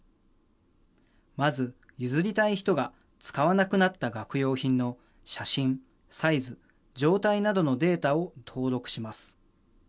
まず譲りたい人が使わなくなった学用品の写真サイズ状態などのデータを登録します。